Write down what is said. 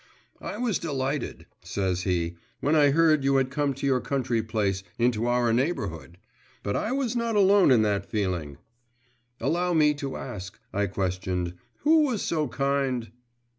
'I was delighted,' says he, 'when I heard you had come to your country place, into our neighbourhood. But I was not alone in that feeling.' 'Allow me to ask,' I questioned: 'who was so kind.